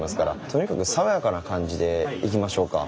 とにかくさわやかな感じでいきましょうか。